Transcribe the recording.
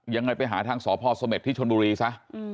ยังไงไปหาทางสพสเม็ดที่ชนบุรีซะ